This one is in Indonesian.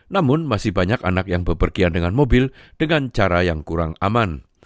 namun masih banyak anak yang berpergian dengan mobil dengan cara yang kurang aman